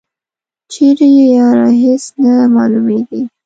چیری یی یاره هیڅ نه معلومیږي.